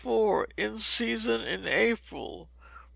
In Season in April.